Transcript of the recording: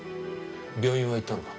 病院は行ったのか？